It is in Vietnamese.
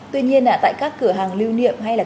tuy nhiên tại các cửa hàng lưu niệm hay là